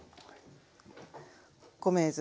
米酢。